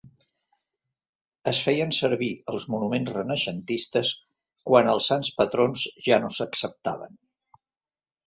Es feien servir als monuments renaixentistes quan els sants patrons ja no s'acceptaven.